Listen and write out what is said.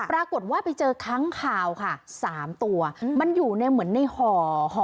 ปรากฏว่าไปเจอค้างคาวค่ะ๓ตัวมันอยู่ในเหมือนในห่อห่อ